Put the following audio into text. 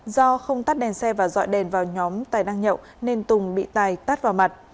do không tắt đèn xe và dọi đèn vào nhóm tài đang nhậu nên tùng bị tài tắt vào mặt